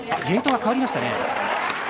ゲートが変わりましたね。